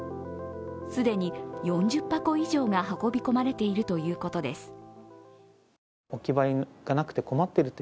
既に４０箱以上が運び込まれているということです。